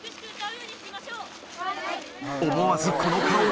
思わずこの顔。